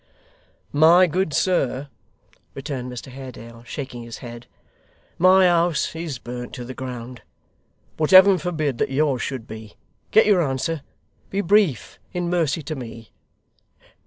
'My good sir,' returned Mr Haredale, shaking his head, 'my house is burned to the ground. But heaven forbid that yours should be. Get your answer. Be brief, in mercy to me.